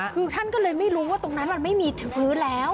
คือท่านก็เลยไม่รู้ว่าตรงนั้นมันไม่มีพื้นแล้ว